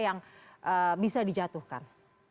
yang bisa dijatuhkan